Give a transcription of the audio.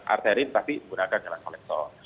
arteri tapi menggunakan jalan kolektor